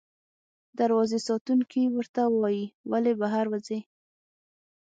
دروازې ساتونکی ورته وایي، ولې بهر وځې؟